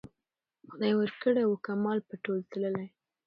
خدای ورکړی وو کمال په تول تللی